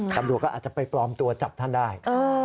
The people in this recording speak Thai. ตำรวจก็อาจจะไปปลอมตัวจับท่านได้